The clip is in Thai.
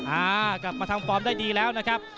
อ่ากลับมาทำฟอร์มได้ดีแล้วนะครับ